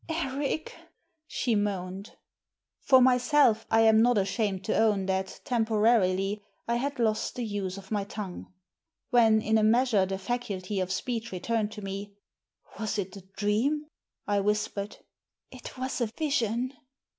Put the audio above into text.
" Eric," she moaned. For myself, I am not ashamed to own that, tempo rarily, I had lost the use of my tongue. When, in a measure, the faculty of speech returned to me^ —Was it a dream ?" I whispered. •* It was a vision."